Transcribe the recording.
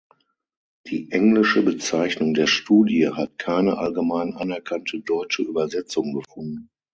Die englische Bezeichnung der Studie hat keine allgemein anerkannte deutsche Übersetzung gefunden.